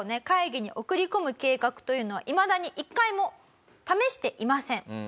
会議に送り込む計画というのはいまだに一回も試していません。